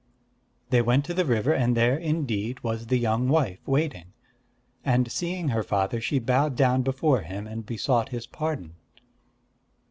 They went to the river; and there, indeed, was the young wife, waiting. And seeing her father, she bowed down before him, and besought his pardon.